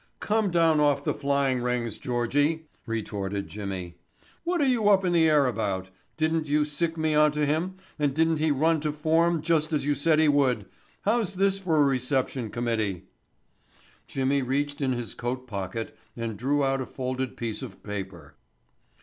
"Come down off the flying rings, Georgie," retorted Jimmy. "What are you up in the air about? Didn't you sic me onto him and didn't he run to form just as you said he would. How's this for a reception committee?" Jimmy reached in his coat pocket and drew out a folded piece of paper.